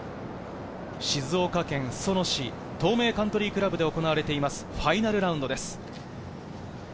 静岡県裾野市、東名カントリークラブで行われています、ファイナルラウンドです。